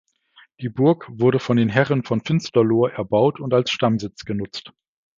Die Burg wurde von den Herren von Finsterlohr erbaut und als Stammsitz genutzt.